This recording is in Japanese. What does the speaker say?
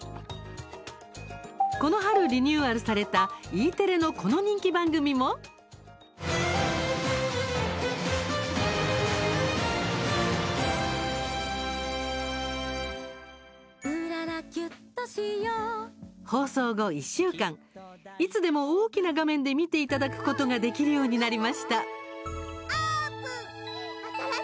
この春、リニューアルされたＥテレのこの人気番組も放送後１週間いつでも大きな画面で見ていただくことができるようになりました。